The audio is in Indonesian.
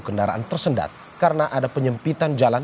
kendaraan tersendat karena ada penyempitan jalan